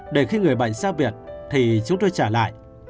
để khi người bệnh ra viện thì chúng tôi trả lại